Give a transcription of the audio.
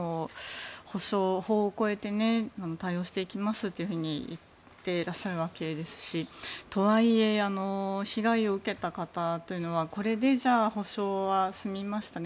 補償、法を超えて対応していきますと言ってらっしゃるわけですしとはいえ被害を受けた方というのはこれで補償は済みましたね